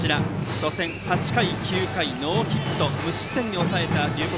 初戦８回、９回ノーヒット無失点に抑えた龍谷